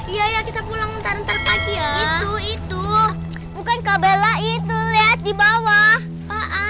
iya kita pulang ntar ntar pagi ya itu itu bukan kabelah itu lihat di bawah pak